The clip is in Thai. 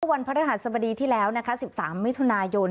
วันพระธรรมดีที่แล้ว๑๓มิถุนายน